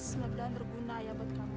semoga berguna ya buat kami